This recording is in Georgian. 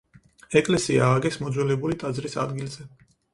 ეკლესია ააგეს მოძველებული ტაძრის ადგილზე.